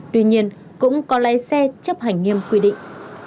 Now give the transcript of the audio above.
tuy nhiên cũng có lái xe chấp hành nghiêm quy định